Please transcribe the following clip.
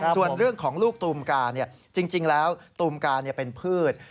ส่วนเรื่องของลูกตูมกาจริงแล้วตูมกาเป็นพืช